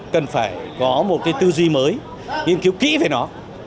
cần phải có một cái tư duy mới nghiên cứu kỹ về nó